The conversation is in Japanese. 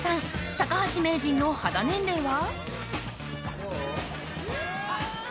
高橋名人の肌年齢は。